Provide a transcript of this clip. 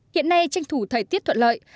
hiện nay tranh thủ thời tiết thuận lợi